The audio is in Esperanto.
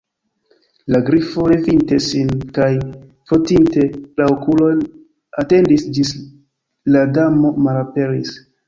La Grifo, levinte sin kaj frotinte la okulojn, atendis ĝis la Damo malaperis.